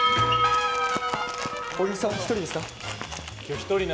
お兄さん、１人ですか？